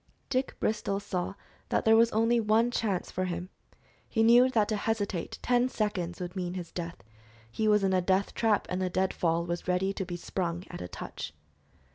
Dick Bristol saw that there was only one chance for him. He knew that to hesitate ten seconds would mean his death. He was in a death trap, and the dead fall was ready to be sprung at a touch.